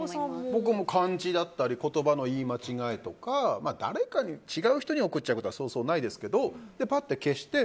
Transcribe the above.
僕は漢字だったり言葉の言い間違いとか違う人に送っちゃうことはそうそうないですけどぱって消して。